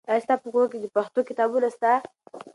آیا ستا په کور کې پښتو کتابونه سته؟